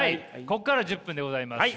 ここから１０分でございます。